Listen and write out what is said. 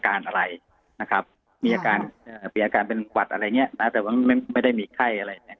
เพราะว่ามีอาการเป็นควัดและมันไม่มีไข้